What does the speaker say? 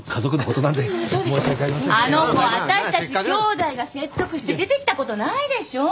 あの子私たちきょうだいが説得して出てきたことないでしょ。